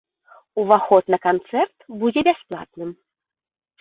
Уваход на канцэрт будзе бясплатным.